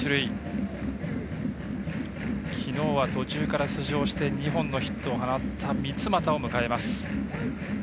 きのうは途中から出場して２本のヒットを放った三ツ俣を迎えます。